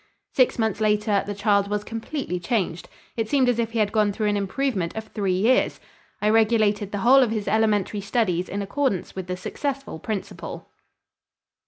Six months later the child was completely changed. It seemed as if he had gone through an improvement of three years. I regulated the whole of his elementary studies in accordance with the successful principle.